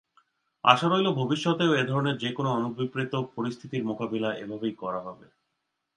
আশা রইল ভবিষ্যতেও এ ধরনের যেকোনো অনভিপ্রেত পরিস্থিতির মোকাবিলা এভাবেই করা হবে।